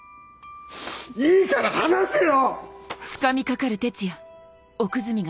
いいから話せよ‼